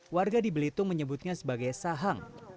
warga di belitung menyebutnya sebagai sahang